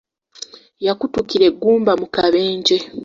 Yakutukira eggumba mu kabenje.